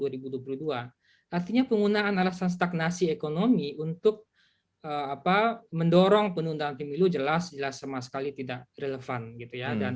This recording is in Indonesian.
artinya penggunaan alasan stagnasi ekonomi untuk mendorong penundaan pemilu jelas jelas sama sekali tidak relevan gitu ya